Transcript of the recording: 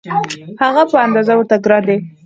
هغه په اندازه ورته ګران دی.